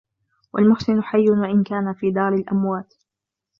وَالْمُحْسِنُ حَيٌّ وَإِنْ كَانَ فِي دَارِ الْأَمْوَاتِ